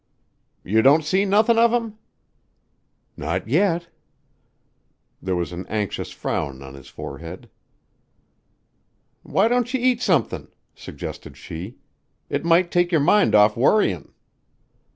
"You don't see nothin' of 'em?" "Not yet." There was an anxious frown on his forehead. "Why don't you eat somethin'?" suggested she. "It might take your mind off worryin'."